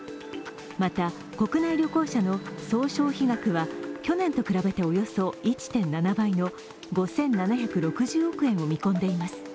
また、国内旅行者の総消費額は去年と比べておよそ１．７倍の５７６０億円を見込んでいます。